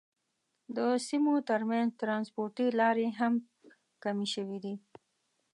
د سیمو تر منځ ترانسپورتي لارې هم کمې شوې دي.